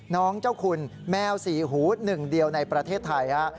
น้องเจ้าคุณแมวสี่หูหนึ่งเดียวในประเทศไทยฮะ